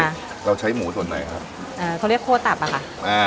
ค่ะเราใช้หมูสดไหนคะเอ่อเขาเรียกโคตรตับอ่ะค่ะอ่า